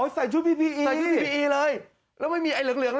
ซ้ายมือ